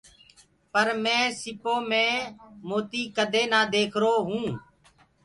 پر مينٚ سيٚپو مي موتي ڪدي نآ ديکرو هونٚ۔